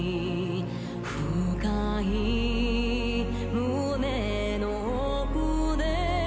深い胸の奥で